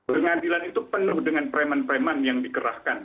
pengadilan itu penuh dengan preman preman yang dikerahkan